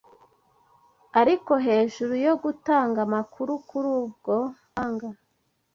Ariko, hejuru yo gutanga amakuru kuri ubwo buhanga